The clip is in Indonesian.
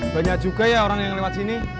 banyak juga ya orang yang lewat sini